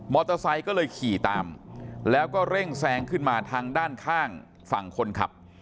ไซค์ก็เลยขี่ตามแล้วก็เร่งแซงขึ้นมาทางด้านข้างฝั่งคนขับ